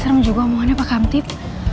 serem juga omongannya pak kamtid